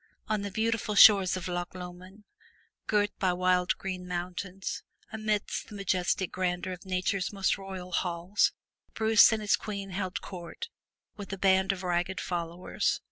On the beautiful shores of Loch Lomond, girt by wild green mountains, amid the majestic grandeur of nature's most royal halls, Bruce and his queen held court with a band of ragged followers.